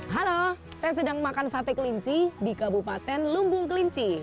halo saya sedang makan sate kelinci di kabupaten lumbung kelinci